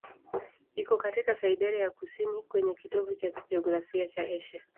Iko katika Siberia ya kusini, kwenye kitovu cha kijiografia cha Asia.